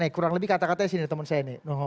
kurang lebih kata katanya di sini teman saya